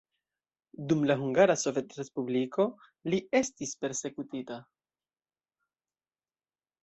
Dum la Hungara Sovetrespubliko li estis persekutita.